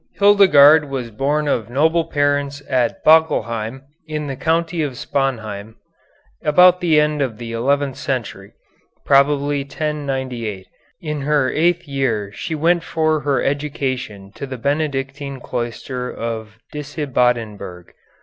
Hildegarde was born of noble parents at Böckelheim, in the county of Sponheim, about the end of the eleventh century (probably 1098). In her eighth year she went for her education to the Benedictine cloister of Disibodenberg.